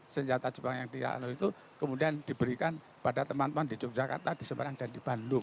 senjata jepang yang dianulir itu kemudian diberikan pada teman teman di yogyakarta di semarang dan di bandung